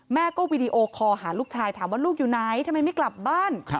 แม่ก็วีดีโอคอลหาลูกชายถามว่าลูกอยู่ไหนทำไมไม่กลับบ้าน